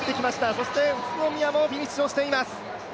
そして宇都宮もフィニッシュをしています。